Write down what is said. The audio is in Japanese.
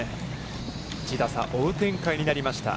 １打差、負う展開になりました。